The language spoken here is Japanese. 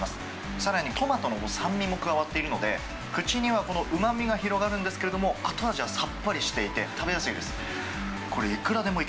さらにトマトの酸味も加わっているので、口にはこのうまみが広がるんですけど、後味はさっぱりしていて、食べやすいです。